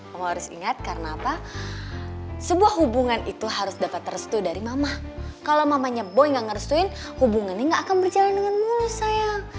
kamu harus ingat karena apa sebuah hubungan itu harus dapat restu dari mama kalau mamanya boy gak ngerestuin hubungannya gak akan berjalan dengan mulus saya